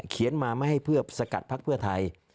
เขียนมาไม่ให้สกัดภักดิ์เพื่อไทย